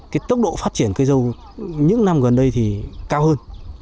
cái tốc độ phát triển cây dâu những năm gần đây thì cao hơn